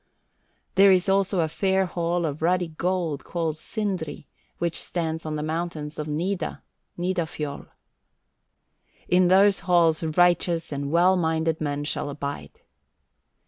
There is also a fair hall of ruddy gold called Sindri, which stands on the mountains of Nida, (Nidafjoll). In those halls righteous and well minded men shall abide.